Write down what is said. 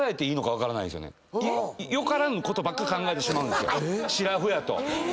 よからぬことばっか考えてしまうんですしらふやと。